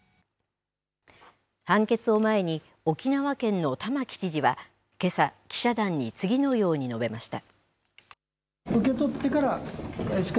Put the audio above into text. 判決を前に、沖縄県の玉城知事はけさ、記者団に次のように述べました。